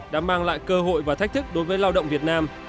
đã mang lại cơ hội và thách thức đối với lao động việt nam